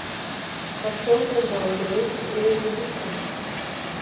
Cachorro com gola grande em execução.